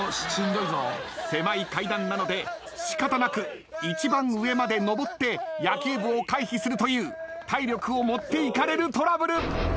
狭い階段なので仕方なく一番上まで上って野球部を回避するという体力を持っていかれるトラブル。